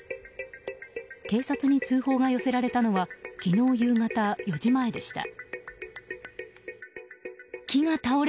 警察に通報が寄せられたのは昨日夕方４時前でした。